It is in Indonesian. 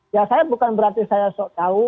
ya saya bukan berarti saya tahu